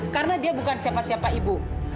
karena dia bukan siapa siapa ibu